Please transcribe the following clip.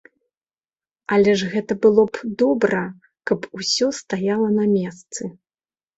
Але ж гэта было б добра, каб усё стаяла на месцы.